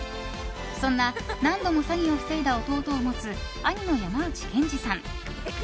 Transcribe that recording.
そんな何度も詐欺を防いだ弟を持つ、兄の山内健司さん。